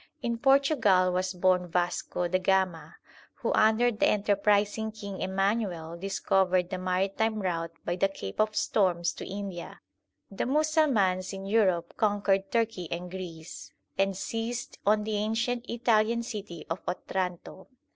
In Portugal was born Vasco da Gama, who under the enter prising King Emanuel discovered the maritime route by the Cape of Storms to India. The Musalmans in Europe conquered Turkey and Greece, and seized on the ancient Italian city of Otranto.